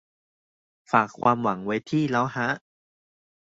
ฝากความหวังไว้ที่ แล้วฮะ